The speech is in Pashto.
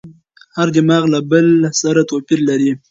هر دماغ له بل سره توپیر لري.